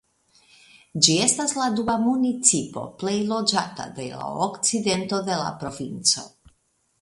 Ĝi estas la dua municipo plej loĝata de la okcidento de la provinco.